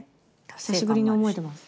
久しぶりに思えてます。